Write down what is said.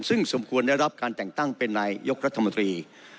ซึ่งสมควรได้รับการแต่งตั้งเป็นนายยกรัฐมนตรี